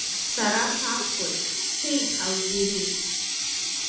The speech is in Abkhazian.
Сара сагхоит, сцеит, Алгери!